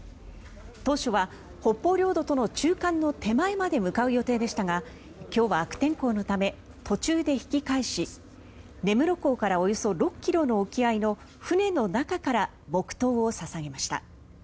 当初は北方領土との中間の手前まで向かう予定でしたが今日は悪天候のため途中で引き返し根室港からおよそ６ｋｍの沖合の船の中から黙祷を捧げました。